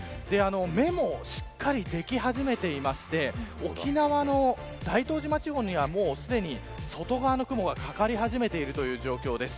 目もしっかり出来始めていまして沖縄の大東島地方にはすでに外側の雲がかかり始めている状況です。